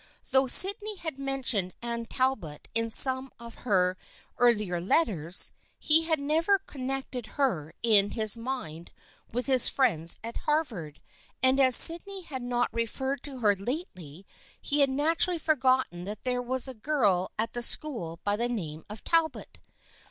Though Sydney had mentioned Anne Talbot in some of her earlier letters, he had never connected her in his mind with his friends at Harvard, and as Sydney had not referred to her lately he had naturally forgotten that there was a girl at the school by the name of Talbot.